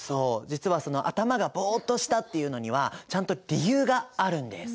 実は頭がぼっとしたっていうのにはちゃんと理由があるんです。